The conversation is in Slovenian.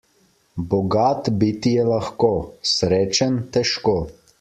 Bogat biti je lahko, srečen - težko.